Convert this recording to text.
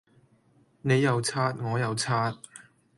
你又刷我又刷